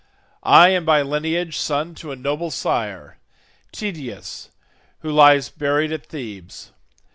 I am by lineage son to a noble sire, Tydeus, who lies buried at Thebes.